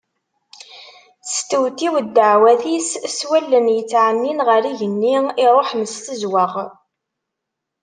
Testewtiw ddaɛwat-is s wallen yettɛennin ɣer yigenni iruḥen s tezweɣ.